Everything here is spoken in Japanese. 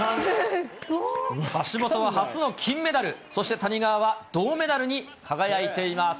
橋本は初の金メダル、そして谷川は銅メダルに輝いています。